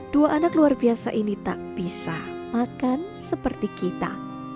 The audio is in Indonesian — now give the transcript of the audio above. dua anak luar biasa ini tak bisa makan seperti kita